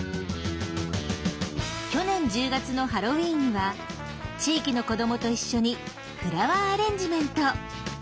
去年１０月のハロウィンには地域の子どもと一緒にフラワーアレンジメント。